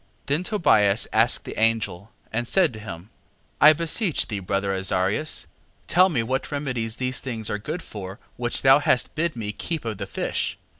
6:7. Then Tobias asked the angel, and said to him: I beseech thee, brother Azarias, tell me what remedies are these things good for, which thou hast bid me keep of the fish?